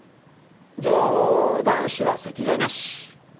じゃあ男子は席替えなし！